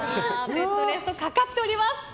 ベッドレストがかかっております。